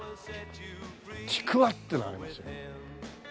「ちくわ」っていうのがありますよ。